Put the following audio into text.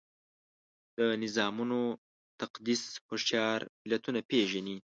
د نظامونو تقدس هوښیار ملتونه پېژني.